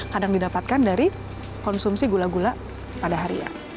kadang didapatkan dari konsumsi gula gula pada hari ya